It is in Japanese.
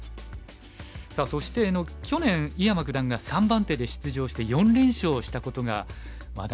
さあそして去年井山九段が３番手で出場して４連勝したことが話題となりましたよね。